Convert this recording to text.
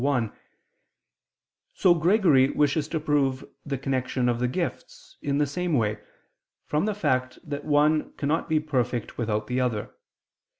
1); so Gregory wishes to prove the connection of the gifts, in the same way, from the fact that one cannot be perfect without the other.